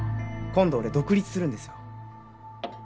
今度俺独立するんですよ。